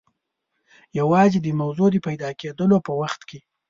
یوازې د موضوع د پیدا کېدلو په وخت کې.